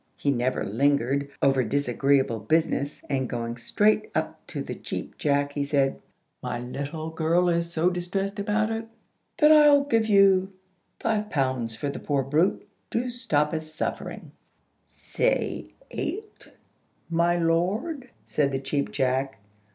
He never lingered over disagreeable business, and, going straight up to the Cheap Jack, he said, "My little girl is so distressed about it, that I'll give you five pounds for the poor brute, to stop its sufferings." "Say eight, my lord," said the Cheap Jack.